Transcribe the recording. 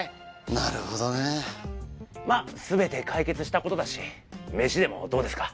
なるほどね全て解決したことだしメシでもどうですか？